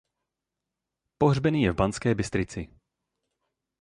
Pohřbený je v Banské Bystrici.